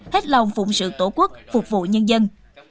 hết lòng phụng sự tổ quốc phục vụ nhân dân